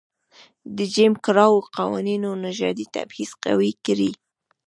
د جېم کراو قوانینو نژادي تبعیض قوي کړ.